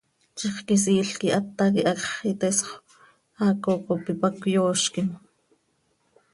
Zixquisiil quih ata quih hacx iteesxö, haaco cop ipac cöyoozquim.